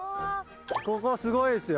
ここすごいですよ。